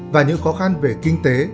và những khó khăn về kinh tế